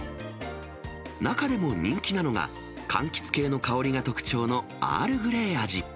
中でも人気なのが、かんきつ系の香りが特徴のアールグレイ味。